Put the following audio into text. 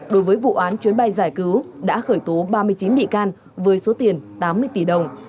đối với vụ án chuyến bay giải cứu đã khởi tố ba mươi chín bị can với số tiền tám mươi tỷ đồng